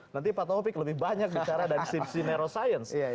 nanti pak topik lebih banyak bicara dari sisi neuroscience